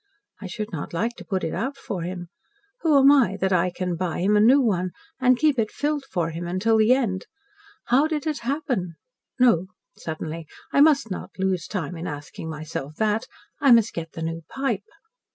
I should not like to put it out for him. Who am I that I can buy him a new one, and keep it filled for him until the end? How did it happen? No," suddenly, "I must not lose time in asking myself that. I must get the new pipe."